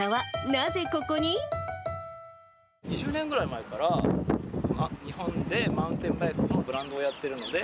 ２０年ぐらい前から、日本でマウンテンバイクのブランドをやってるので。